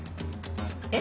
えっ？